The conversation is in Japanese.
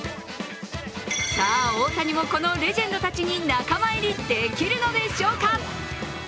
さあ、大谷もこのレジェンドたちに仲間入りできるのでしょうか。